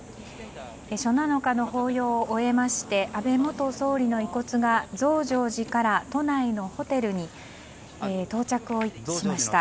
初七日の法要を終えまして安倍元総理の遺骨が増上寺から都内のホテルに到着をしました。